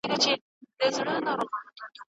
انسانیت باید له پامه ونه غورځول سي.